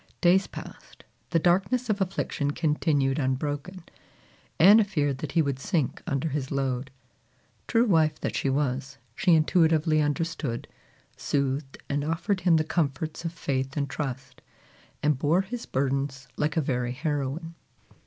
Days passed, the darkness of affliction continued unbroken. Anna feared that he would sink under his load. True wife that she was, she intuitively understood, soothed, and offered him the comforts of faith and trust, and bore his burdens like a very heroine.